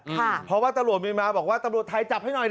เพราะว่าตำรวจเมียนมาบอกว่าตำรวจไทยจับให้หน่อย